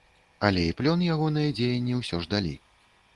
Але і плён ягоныя дзеянні ўсё ж далі.